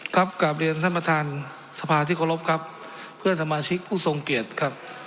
กลับเรียนท่านประธานสภาที่เคารพครับเพื่อนสมาชิกผู้ทรงเกียรติครับ